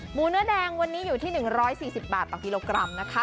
เนื้อแดงวันนี้อยู่ที่๑๔๐บาทต่อกิโลกรัมนะคะ